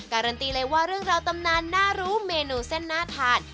การันตีเลยว่าเรื่องราวตำนานน่ารู้เมนูเส้นน่าทาน